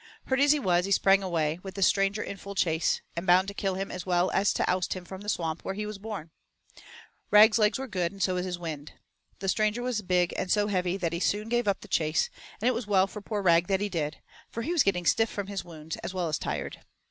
Hurt as he was, he sprang away, with the stranger in full chase, and bound to kill him as well as to oust him from the Swamp where he was born. Rag's legs were good and so was his wind. The stranger was big and so heavy that he soon gave up the chase, and it was well for poor Rag that he did, for he was getting stiff from his wounds as well as tired.